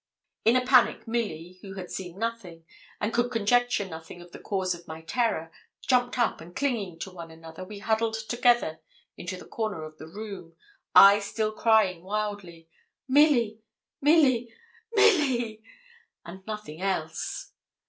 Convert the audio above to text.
In a panic, Milly, who had seen nothing, and could conjecture nothing of the cause of my terror, jumped up, and clinging to one another, we huddled together into the corner of the room, I still crying wildly, 'Milly! Milly! Milly!' and nothing else.